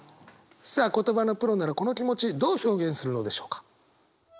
さあ言葉のプロならこの気持ちどう表現するのでしょうか？